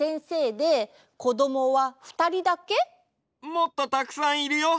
もっとたくさんいるよ。